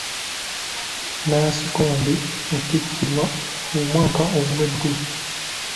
Nansikombi yatikkirwa omwaka oguwedde.